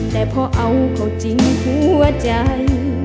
แต่พอเอาเขาจริงหัวใจ